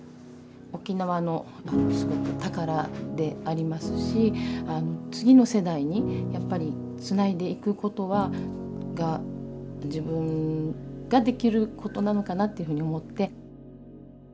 沖縄のすごく宝でありますし次の世代にやっぱりつないでいくことが自分ができることなのかなっていうふうに思って。